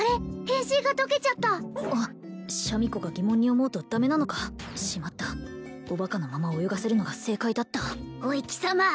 変身が解けちゃったあっシャミ子が疑問に思うとダメなのかしまったおバカのまま泳がせるのが正解だったおい貴様！